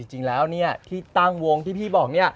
จริงแล้วที่ตั้งวงที่พี่บอก